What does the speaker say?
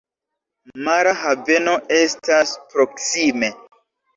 Mara haveno estas proksime.